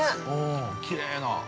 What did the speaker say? きれいな。